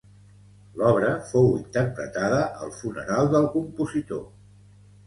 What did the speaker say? L'obra fou interpretada al funeral del compositor.